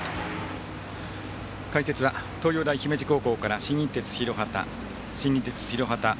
解説は東洋大姫路高校から新日鉄広畑。